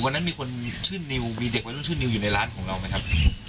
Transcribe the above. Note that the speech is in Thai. วันนั้นมีคนชื่อนิวมีเด็กวัยรุ่นชื่อนิวอยู่ในร้านของเราไหมครับ